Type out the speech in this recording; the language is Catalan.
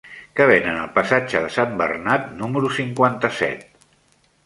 Què venen al passatge de Sant Bernat número cinquanta-set?